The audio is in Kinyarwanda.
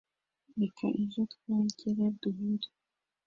Reka ejo twongere duhure.